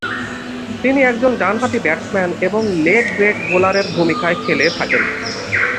তিনি একজন ডানহাতি ব্যাটসম্যান এবং লেগ ব্রেক বোলারের ভূমিকায় খেলে থাকেন।